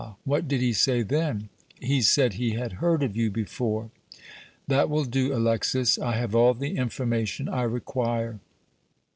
What did he say then?" "He said he had heard of you before." "That will do, Alexis; I have all the information I require."